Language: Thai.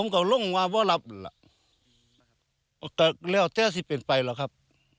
เขาว่ารับก็แล้วแท้สิเป็นไปแล้วครับ